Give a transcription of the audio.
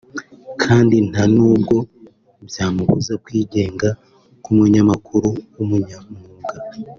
kandi nta nubwo byamubuza kwigenga nk’umunyamakuru w’umunyamwuga